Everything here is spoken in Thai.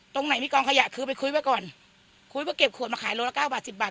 ตรงไหนมีกองขยะคือไปคุยไว้ก่อนคุยว่าเก็บขวดมาขายโลละเก้าบาทสิบบาท